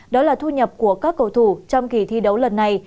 đó là thu nhập của các cầu thủ trong kỳ thi đấu lần này